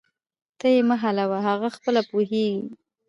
ته یې مه حلوه، هغه خپله پوهیږي